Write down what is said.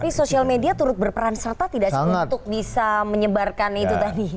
tapi social media turut berperan serta tidak sih untuk bisa menyebarkan itu tadi